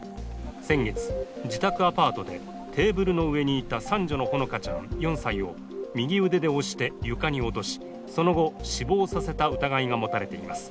先月、自宅アパートでテーブルの上にいた三女のほのかちゃん４歳を、右腕で押して床に落としその後、死亡させた疑いが持たれています。